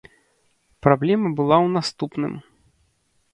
Праблема была ў наступным.